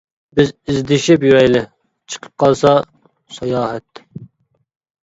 بىز ئىزدىشىپ يۈرەيلى، چىقىپ قالسا «ساياھەت» .